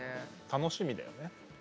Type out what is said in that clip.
楽しみだよね。